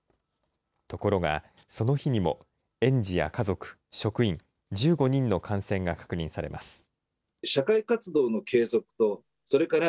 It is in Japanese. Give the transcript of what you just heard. ところが、その日にも園児や家族、職員１５人の感染が確認されます。